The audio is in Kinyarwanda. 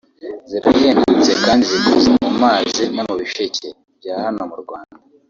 zirahendutse kandi zikoze mu mazi no mu bisheke bya hano mu Rwanda